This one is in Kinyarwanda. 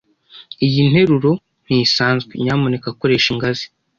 Iyi nteruro ntisanzwe. Nyamuneka koresha ingazi.